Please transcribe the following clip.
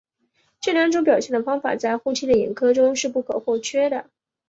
这两种表现的方法在后期的演歌中是不可或缺的。